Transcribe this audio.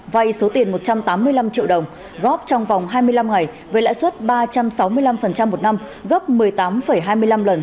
vay số tiền một trăm tám mươi năm triệu đồng góp trong vòng hai mươi năm ngày với lãi suất ba trăm sáu mươi năm một năm gấp một mươi tám hai mươi năm lần